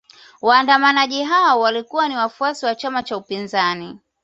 Waandamanaji hao walikuwa ni wafuasi wa chama cha upinzani